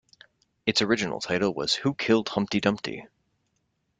Its original title was Who Killed Humpty Dumpty?